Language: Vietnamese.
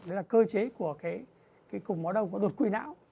đấy là cơ chế của cái cục máu đông của đột quỷ não